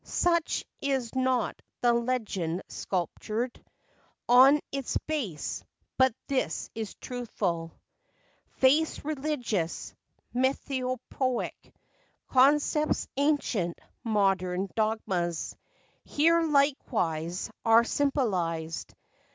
Such is not the legend sculptured On its base ; but this is truthful. FACTS AND FANCIES. 95 Faiths religious, mythopoeic Concepts, ancient, modern dogmas, Here, likewise, are symbolized.